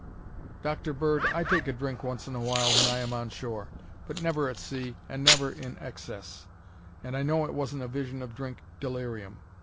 "Dr. Bird, I take a drink once in a while when I am on shore, but never at sea and never in excess, and I know it wasn't a vision of drink delirium.